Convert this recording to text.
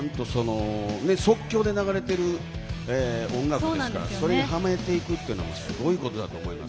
即興で流れている音楽ですからそれにハメていくのはすごいことだと思います。